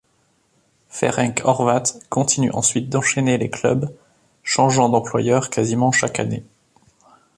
Ferenc Horváth continue ensuite d'enchaîner les clubs, changeant d'employeur quasiment chaque année.